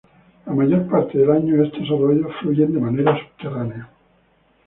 La mayor parte del año estos arroyos fluyen de manera subterránea.